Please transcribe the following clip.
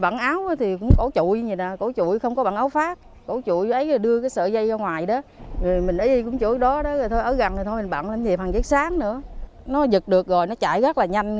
chị quyên bật chạy bằng tay sáng nó gật được rồi chạy rất là nhanh